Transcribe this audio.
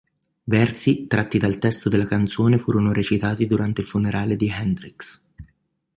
Versi tratti dal testo della canzone furono recitati durante il funerale di Hendrix.